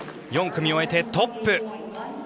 ４組終えてトップ。